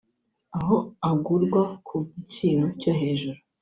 aho agurwa ku giciro cyo hejuru